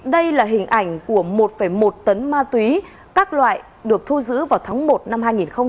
đây là hình ảnh của một một tấn ma túy các loại được thu giữ vào tháng một năm hai nghìn hai mươi